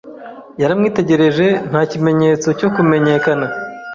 Yaramwitegereje nta kimenyetso cyo kumenyekana.